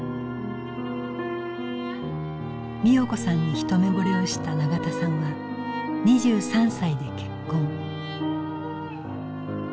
美代子さんに一目ぼれをした永田さんは２３歳で結婚。